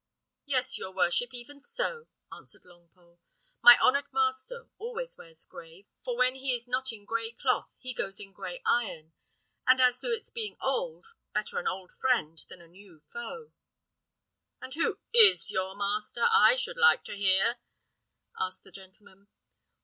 "Yes, your worship, even so," answered Longpole. "My honoured master always wears gray; for when he is not in gray cloth, he goes in gray iron; and as to its being old, better an old friend than a new foe." "And who is your master? I should like to hear," asked the gentleman.